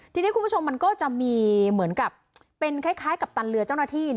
ทีนี้คุณผู้ชมมันก็จะมีเหมือนกับเป็นคล้ายกัปตันเรือเจ้าหน้าที่